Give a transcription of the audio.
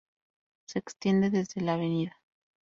Se extiende desde la Av.